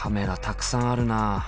たくさんあるなあ。